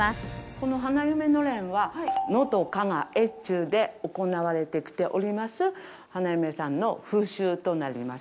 この花嫁のれんは、能登・加賀・越中で行われてきております花嫁さんの風習となります。